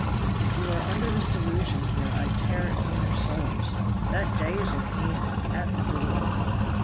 If you are under this delusion here I tear it from your souls. That day is at hand, at the door."